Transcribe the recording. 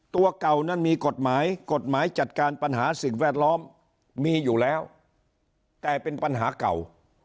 ตัวเก่านั้นมีกฎหมายกฎหมายจัดการปัญหาสิ่งแวดล้อมมีอยู่แล้วแต่เป็นปัญหาเก่า